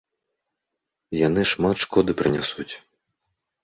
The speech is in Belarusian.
Яны шмат шкоды прынясуць.